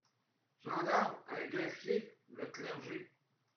Gendarmes, un Greffier, le Clergé.